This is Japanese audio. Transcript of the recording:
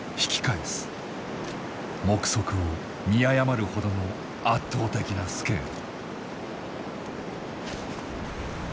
目測を見誤るほどの圧倒的なスケール。